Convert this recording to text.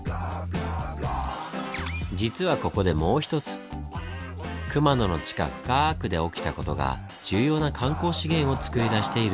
実はここでもう一つ熊野の地下深くで起きたことが重要な観光資源をつくり出しているんです。